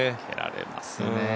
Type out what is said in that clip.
蹴られますね